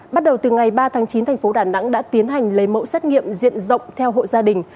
bắt đầu từ ngày ba tháng chín thành phố đà nẵng đã tiến hành lấy mẫu xét nghiệm diện rộng theo hộ gia đình